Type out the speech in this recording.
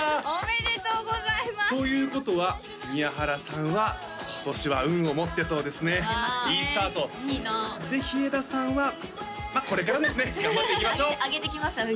おめでとうございますということは宮原さんは今年は運を持ってそうですねいいスタートいいなで稗田さんはまっこれからですね頑張っていきましょう上げてきます